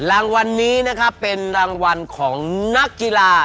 รางวัลนี้นะครับเป็นรางวัลของนักกีฬา